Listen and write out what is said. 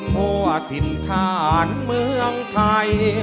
โทษทินทานเมืองไทย